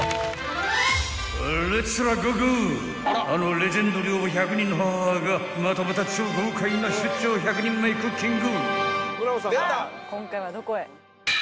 ［レッツラゴーゴーあのレジェンド寮母１００人の母がまたまた超豪快な出張１００人前クッキング］